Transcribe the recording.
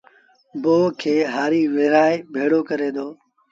بوه کي هآريٚ وآري ڀيڙو ڪري دو